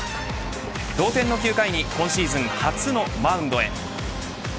同点の９回に今シーズン初のマウンドへ。